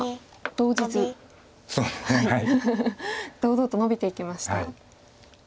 堂々とノビていきました。